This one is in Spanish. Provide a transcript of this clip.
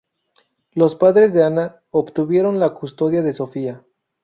Los padres de Ana obtuvieron la custodia de Sofía.